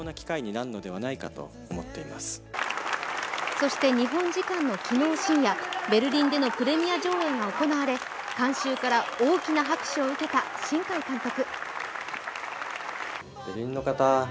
そして日本時間の昨日深夜、ベルリンでのプレミア上映が行われ、観衆から大きな拍手を受けた新海監督。